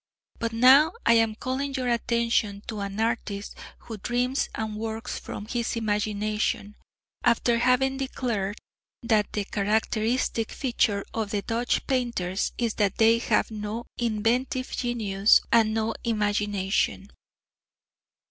{L} But now I am calling your attention to an artist who dreams and works from his imagination, after having declared that the characteristic feature of the Dutch painters is that they have no inventive genius and no imagination.